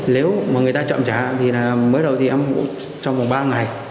nếu mà người ta chậm trả thì mới đầu thì em cũng trong vòng ba ngày